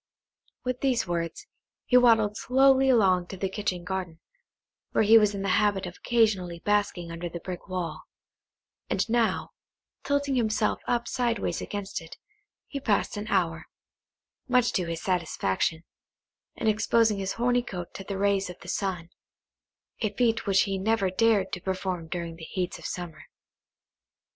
With these words, he waddled slowly along to the kitchen garden, where he was in the habit of occasionally basking under the brick wall; and now, tilting himself up sideways against it, he passed an hour, much to his satisfaction, in exposing his horny coat to the rays of the sun; a feat which he never dared to perform during the heats of summer.